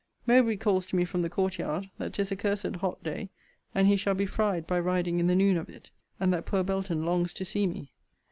Mowbray calls to me from the court yard, that 'tis a cursed hot day, and he shall be fried by riding in the noon of it: and that poor Belton longs to see me.